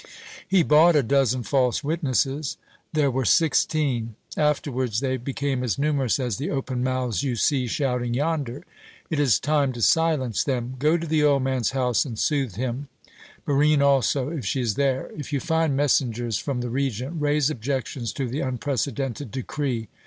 "He bought a dozen false witnesses." "There were sixteen. Afterwards they became as numerous as the open mouths you see shouting yonder. It is time to silence them. Go to the old man's house and soothe him Barine also, if she is there. If you find messengers from the Regent, raise objections to the unprecedented decree.